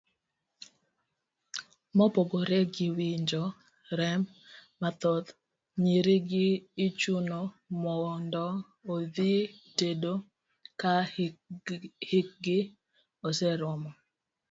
Mopogore gi winjo rem mathoth, nyiri gi ichuno mondo odhi tedo ka hikgi oseromo.